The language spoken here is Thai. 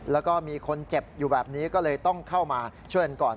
แล้วก็มีคนเจ็บอยู่แบบนี้ก็เลยต้องเข้ามาช่วยกันก่อน